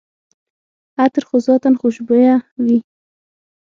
عطر خو ذاتاً خوشبویه وي.